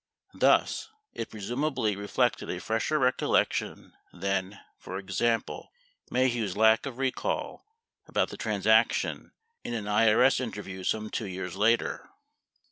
Thus, it presumably reflected a fresher recollection than, for example, Maheu's lack of recall about the transaction in an IRS interview some 2 years later.